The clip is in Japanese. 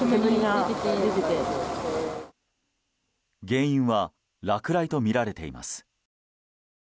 原因は落雷とみられています。